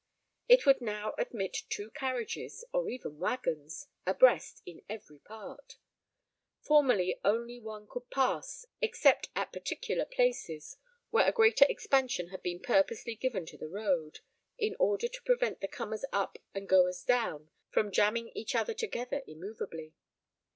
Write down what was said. It would now admit two carriages, or even waggons, abreast in every part; formerly only one could pass, except at particular places, where a greater expansion had been purposely given to the road, in order to prevent the comers up and goers down from jamming each other together immovably.